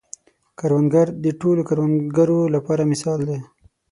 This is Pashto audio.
کروندګر د ټولو کروندګرو لپاره مثال دی